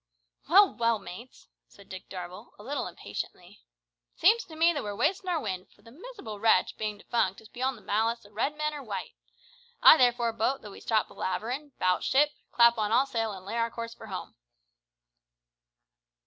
"Well, well, mates," said Dick Darvall, a little impatiently, "seems to me that we're wastin' our wind, for the miserable wretch, bein' defunct, is beyond the malice o' red man or white. I therefore vote that we stop palaverin', 'bout ship, clap on all sail an' lay our course for home."